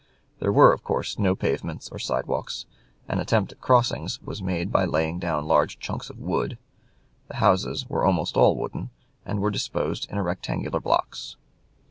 There were, of course, no pavements or sidewalks; an attempt at crossings was made by laying down large chunks of wood. The houses were almost all wooden, and were disposed in rectangular blocks.